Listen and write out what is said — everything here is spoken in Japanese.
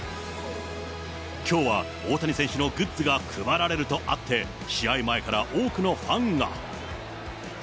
きょうは大谷選手のグッズが配られるとあって、試合前から多くのファンが。